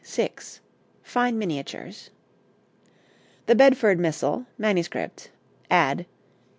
Fine miniatures. The Bedford Missal, MS. Add.